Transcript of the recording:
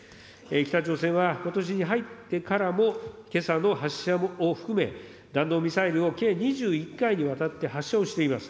北朝鮮はことしに入ってからも、けさの発射を含め、弾道ミサイルを計２１回にわたって発射をしています。